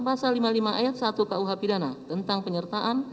pasal lima ayat satu kuh pidana tentang penyertaan